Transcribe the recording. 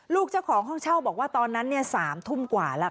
เจ้าของห้องเช่าบอกว่าตอนนั้น๓ทุ่มกว่าแล้ว